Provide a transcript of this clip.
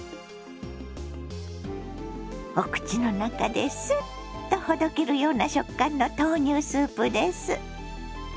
お口の中ですっとほどけるような食感の豆乳スープです。